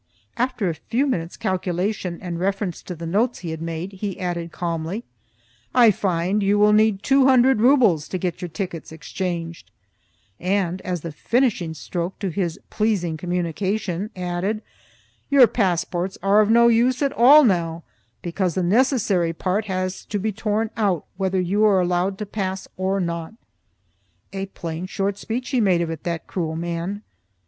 After a few minutes' calculation and reference to the notes he had made, he added calmly, "I find you will need two hundred rubles to get your tickets exchanged;" and, as the finishing stroke to his pleasing communication, added, "Your passports are of no use at all now because the necessary part has to be torn out, whether you are allowed to pass or not." A plain, short speech he made of it, that cruel man.